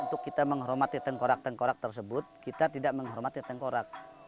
untuk kita menghormati tengkorak tengkorak tersebut kita tidak menghormati tengkorak